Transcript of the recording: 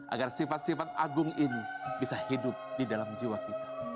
agar sifat sifat agung ini bisa hidup di dalam jiwa kita